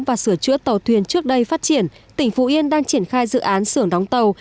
và sửa chữa tàu thuyền trước đây phát triển tỉnh phú yên đang triển khai dự án sưởng đóng tàu